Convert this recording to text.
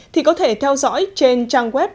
thì có thể theo dõi trên trang web